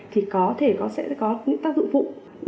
thì có thể sẽ có những tác dụng phụ